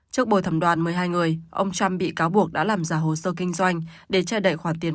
trước bồi thẩm đoàn một mươi hai người ông trump bị cáo buộc đã làm giả hồ sơ kinh doanh để che đậy khoản tiền